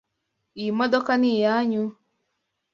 Iyi modoka ni iyanyu?